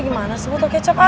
gimana sih gue tau kecap ah